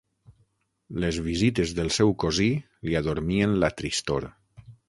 Les visites del seu cosí li adormien la tristor.